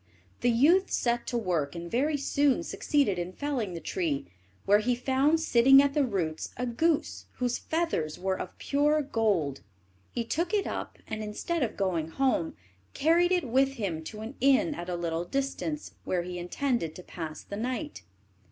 The youth set to work, and very soon succeeded in felling the tree, when he found sitting at the roots a goose, whose feathers were of pure gold. He took it up, and, instead of going home, carried it with him to an inn at a little distance, where he intended to pass the night.